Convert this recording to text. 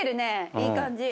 いい感じ。